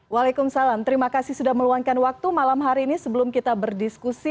waalaikumsalam terima kasih sudah meluangkan waktu malam hari ini sebelum kita berdiskusi